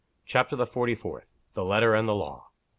CHAPTER THE FORTY FOURTH. THE LETTER AND THE LAW.